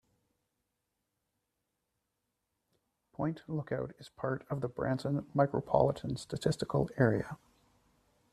Point Lookout is part of the Branson Micropolitan Statistical Area.